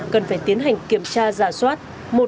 cần phải tiến hành kiểm tra giả soát